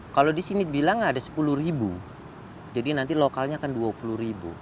kalau di sini bilang ada sepuluh ribu jadi nanti lokalnya akan dua puluh ribu